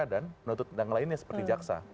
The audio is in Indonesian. dan penuntut tindak lainnya seperti jaksa